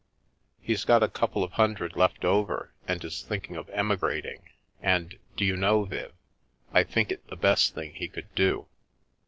He's got a couple of hundred left over and is thinking of emigrating, and, do you know, Viv, I think it the best thing he could do.